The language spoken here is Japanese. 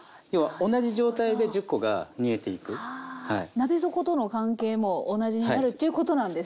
鍋底との関係も同じになるっていうことなんですね。